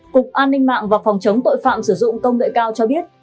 cục an ninh mạng và phòng chống tội phạm sử dụng công nghệ cao cho biết